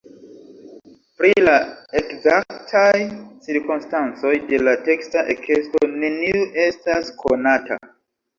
Pri la ekzaktaj cirkonstancoj de la teksta ekesto neniu estas konata.